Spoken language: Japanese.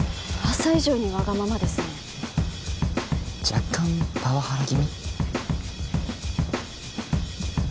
噂以上にワガママですね若干パワハラ気味？